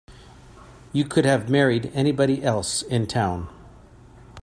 You could have married anybody else in town.